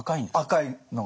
赤いのが。